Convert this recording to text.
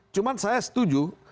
cuma saya setuju